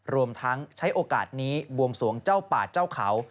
รวมทั้งใช้โอกาสนี้บวงสวงเจ้าป่าเจ้าเขา